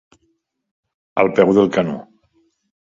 Al peu del canó.